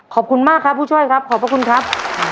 ขอบคุณมากครับผู้ช่วยครับขอบคุณครับขอบคุณครับ